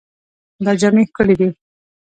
دا جامې ښکلې دي.